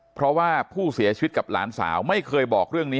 เพราะว่าผู้เสียชีวิตกับหลานสาวไม่เคยบอกเรื่องนี้